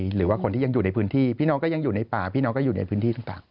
หรือว่าคนที่ยังอยู่ในพื้นที่พี่น้องก็ยังอยู่ในป่าพี่น้องก็อยู่ในพื้นที่หรือเปล่า